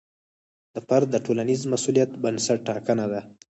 د فرد د ټولنیز مسوولیت بنسټ ټاکنه ده.